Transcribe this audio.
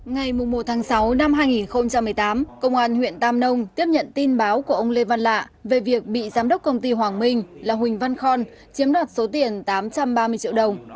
ngày một sáu hai nghìn một mươi tám công an huyện tam nông tiếp nhận tin báo của ông lê văn lạ về việc bị giám đốc công ty hoàng minh là huỳnh văn khon chiếm đoạt số tiền tám trăm ba mươi triệu đồng